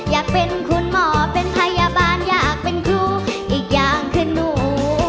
อยากเป็นคุณหมอเป็นพยาบาลอยากเป็นครูอีกอย่างคือหนู